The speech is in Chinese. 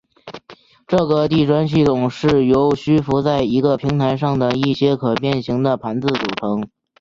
这个地砖系统是由虚浮在一个平台上的一些可变型的盘子组成。